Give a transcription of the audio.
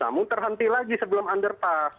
namun terhenti lagi sebelum underpass